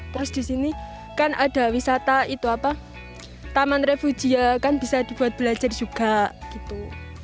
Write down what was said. terus di sini kan ada wisata itu apa taman refugia kan bisa dibuat belajar juga gitu